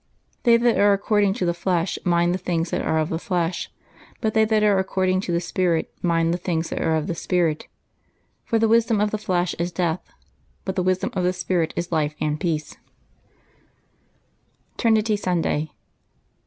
Reflection. —" They that are according to the flesh mind the things that are of the flesh; but they that are accord 18 LIVES OF THE SAINTS ing to the Spirit mind the things that are of the Spirit. For the wisdom of the flesh is death; but the wisdom of the Spirit is life and peace/^ TRINITY SUNDAY.